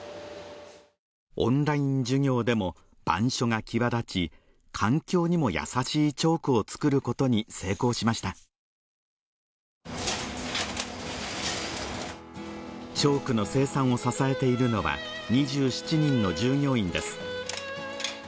オンライン授業でも板書が際立ち環境にも優しいチョークを作ることに成功しましたチョークの生産を支えているのは２７人の従業員です